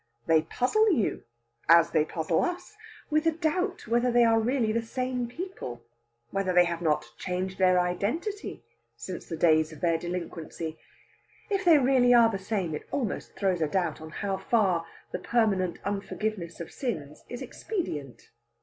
They puzzle you, as they puzzle us, with a doubt whether they really are the same people; whether they have not changed their identity since the days of their delinquency. If they really are the same, it almost throws a doubt on how far the permanent unforgiveness of sins is expedient.